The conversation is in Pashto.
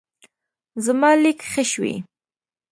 زما لیک ښه شوی.